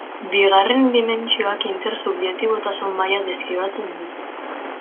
Bigarren dimentsioak inter subjektibotasun-maila deskribatzen du.